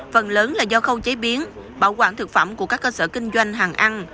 phần lớn là do khâu chế biến bảo quản thực phẩm của các cơ sở kinh doanh hàng ăn